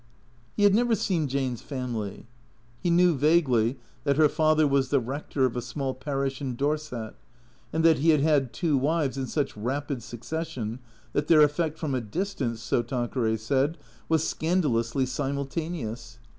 He had never seen Jane's family. He knew vaguely that her father was the rector of a small parish in Dorset, and that he had had two wives in such rapid succession that their effect from a distance, so Tanqueray said, was scandalously simultane ous.